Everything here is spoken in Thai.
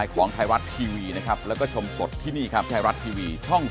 เก้าแสนกว่าไร